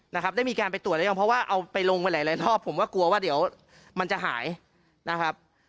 นะครับได้มีการไปตรวจหรือยังเพราะว่าเอาไปลงไปหลายหลายรอบผมก็กลัวว่าเดี๋ยวมันจะหายนะครับ